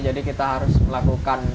jadi kita harus melakukan